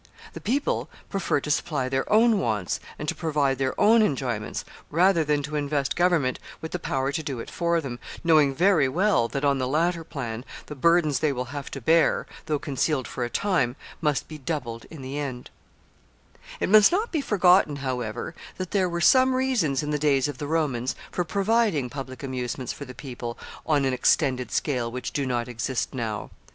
The people prefer to supply their own wants and to provide their own enjoyments, rather than to invest government with the power to do it for them, knowing very well that, on the latter plan, the burdens they will have to bear, though concealed for a time, must be doubled in the end. [Sidenote: Provided by the government.] [Sidenote: How the people were supported.] [Sidenote: Agrarian laws.] It must not be forgotten, however, that there were some reasons in the days of the Romans for providing public amusements for the people on an extended scale which do not exist now.